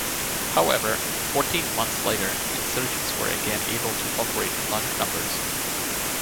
However, fourteen months later insurgents were again able to operate in large numbers.